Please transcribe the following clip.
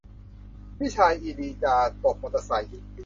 พี่ชายอีลีจาตกมอเตอร์ไซค์